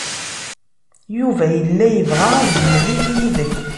Yuba yella yebɣa ad yemlil yid-k.